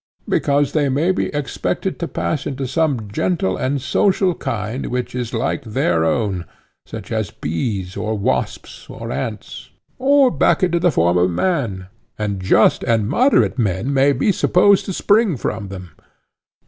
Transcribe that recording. Because they may be expected to pass into some gentle and social kind which is like their own, such as bees or wasps or ants, or back again into the form of man, and just and moderate men may be supposed to spring from them.